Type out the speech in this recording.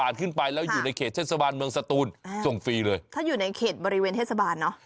ถ้าอยู่ในเขตบริเวณเทศบาลเนอะ